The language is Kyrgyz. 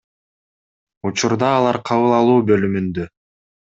Учурда алар кабыл алуу бөлүмүндө.